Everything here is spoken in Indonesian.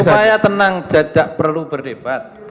saya tenang tidak perlu berdebat